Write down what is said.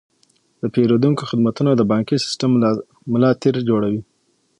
د پیرودونکو خدمتونه د بانکي سیستم ملا تیر جوړوي.